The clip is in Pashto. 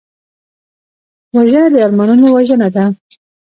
وژنه د ارمانونو وژنه ده